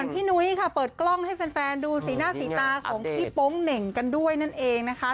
พี่นุ้ยค่ะเปิดกล้องให้แฟนดูสีหน้าสีตาของพี่โป๊งเหน่งกันด้วยนั่นเองนะคะ